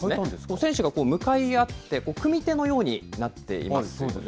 選手が向かい合って組手のようになっていますよね。